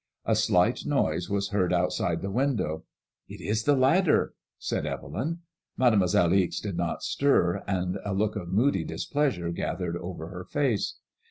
A slight noise was heard outside the window. '' It is the ladder/' said Evelya Mademoiselle Ixe did not stir, and a look of moody displeasure gathered over her face.